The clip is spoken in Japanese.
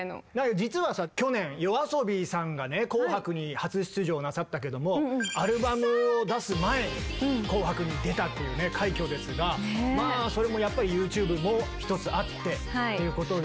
実はさ去年ＹＯＡＳＯＢＩさんがね紅白に初出場なさったけどもアルバムを出す前に紅白に出たというね快挙ですがまあそれもやっぱりＹｏｕＴｕｂｅも一つあってっていうことで。